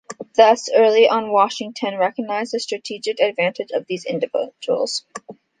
Thus, early on Washington recognized the strategic advantage of these individuals.